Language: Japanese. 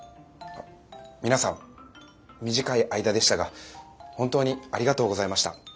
皆さん短い間でしたが本当にありがとうございました。